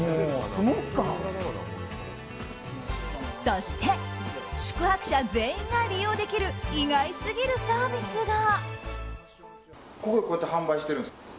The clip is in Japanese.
そして、宿泊者全員が利用できる意外すぎるサービスが。